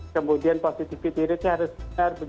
kemudian positivity rate nya harus benar